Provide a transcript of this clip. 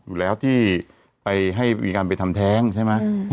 อยู่แล้วที่ไปให้มีการไปทำแท้งใช่ไหม